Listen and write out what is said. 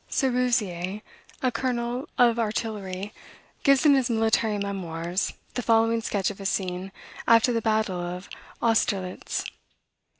Seruzier, a colonel of artillery, gives, in his "Military Memoirs," the following sketch of a scene after the battle of Austerlitz.